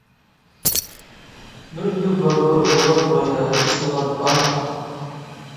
بىر گۈل باردۇر بۇلاق بويىدا، ئېچىلغان ئاھ!